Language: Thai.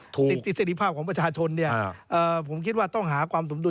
สิทธิเสร็จภาพของประชาชนผมคิดว่าต้องหาความสมดุล